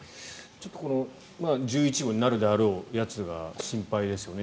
１１号になるであろうやつが心配ですよね。